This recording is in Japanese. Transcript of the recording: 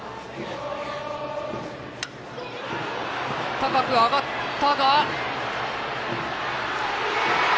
高く上がった！